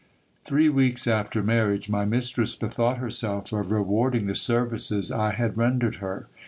Th^ee weeks after marriage, my mistress bethought herself of rewarding the sen ices I had rendered her.